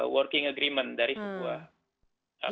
working agreement dari sebuah